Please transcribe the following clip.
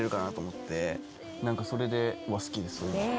それで好きです。